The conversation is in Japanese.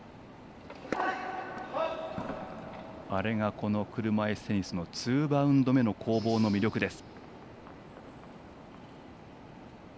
この車いすテニスのツーバウンド目の攻防の魅力です。